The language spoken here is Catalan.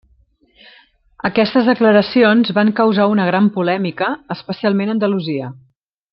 Aquestes declaracions van causar una gran polèmica, especialment a Andalusia.